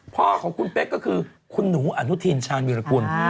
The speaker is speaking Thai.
พ่อของคุณเป๊กก็คือคุณหนูอนุทินชาญวิรากุล